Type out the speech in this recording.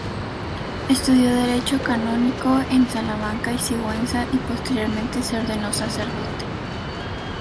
Estudió derecho canónico en Salamanca y Sigüenza y posteriormente se ordenó sacerdote.